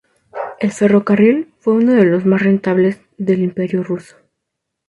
El ferrocarril fue uno de los más rentables del Imperio ruso.